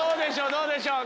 どうでしょう？